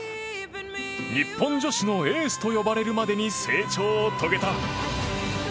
日本女子のエースと呼ばれるまでに成長を遂げた。